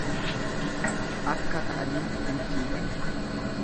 akka ka'aniin hin fiigan.